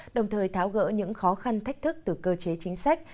đồng thời tháo gỡ những khó khăn thách thức từ cơ chế chính sách